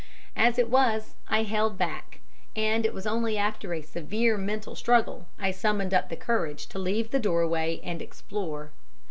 As it was, I held back, and it was only after a severe mental struggle I summoned up the courage to leave the doorway and explore.